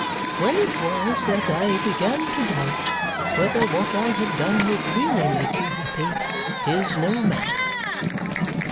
When it was that I began to doubt whether what I had done would really make you happy is no matter.